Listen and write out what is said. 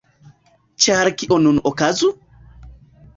Ĉar kio nun okazu?